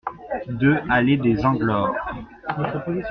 deux allée des Anglores